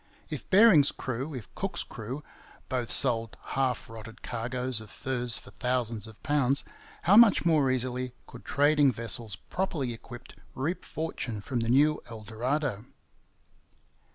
If Bering's crew, if Cook's crew, both sold half rotted cargoes of furs for thousands of pounds, how much more easily could trading vessels properly equipped reap fortune from the new El Dorado!